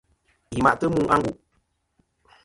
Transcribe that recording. Yi ma'tɨ mu a ngu'.